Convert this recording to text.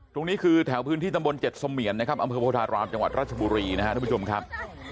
ตรงนี้คือแถวพื้นที่ตำบลเจ็ดเสมียนนะครับอำเภอโพธารามจังหวัดราชบุรีนะครับทุกผู้ชมครับ